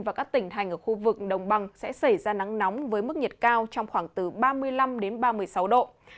và các tỉnh thành ở khu vực đồng bằng sẽ xảy ra nắng nóng với mức nhiệt cao trong khoảng từ ba mươi năm ba mươi sáu độ